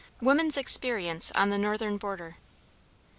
WOMAN'S EXPERIENCE ON THE NORTHERN BORDER.